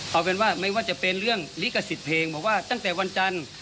เอาเป็นว่าไม่ว่าจะเป็นเรื่องลิขสิทธิ์เพลงบอกว่าตั้งแต่วันจันทร์